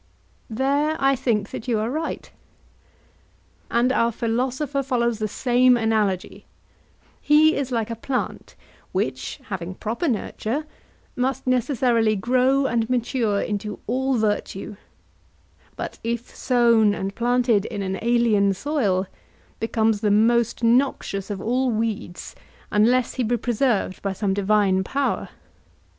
There I think that you are right. And our philosopher follows the same analogy—he is like a plant which, having proper nurture, must necessarily grow and mature into all virtue, but, if sown and planted in an alien soil, becomes the most noxious of all weeds, unless he be preserved by some divine power.